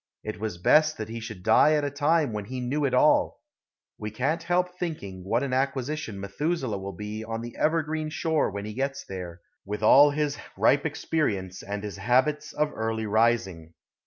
It was best that he should die at a time when he knew it all. We can't help thinking what an acquisition Methuselah will be on the evergreen shore when he gets there, with all his ripe experience and his habits of early rising."